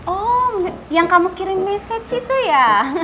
oh yang kamu kirim message itu ya